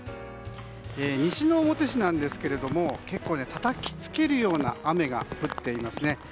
西之表市ですが、結構たたきつけるような雨が降っていますね。